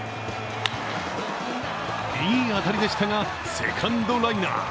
いい当たりでしたが、セカンドライナー。